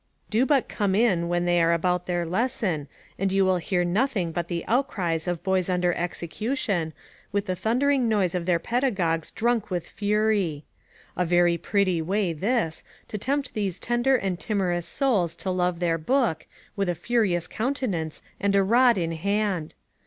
Do but come in when they are about their lesson, and you shall hear nothing but the outcries of boys under execution, with the thundering noise of their pedagogues drunk with fury. A very pretty way this, to tempt these tender and timorous souls to love their book, with a furious countenance, and a rod in hand!